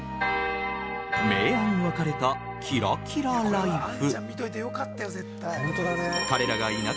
明暗分かれたキラキラ人生。